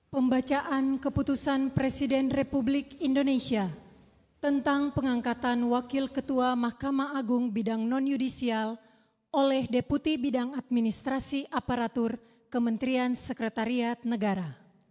pembacaan keputusan presiden republik indonesia tentang pengangkatan wakil ketua mahkamah agung bidang non yudisial oleh deputi bidang administrasi aparatur kementerian sekretariat negara